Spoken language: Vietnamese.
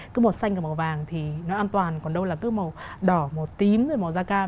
cứ màu xanh và màu vàng thì nó an toàn còn đâu là cứ màu đỏ màu tím rồi màu da cam